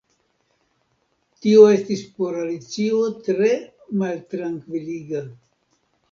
Tio estis por Alicio tre maltrankviliga.